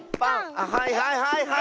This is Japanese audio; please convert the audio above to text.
あっはいはいはいはい！